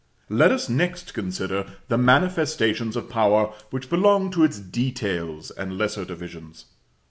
Let us next consider the manifestations of power which belong to its details and lesser divisions.